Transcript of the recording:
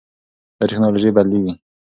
دا ټکنالوژي بدلېږي.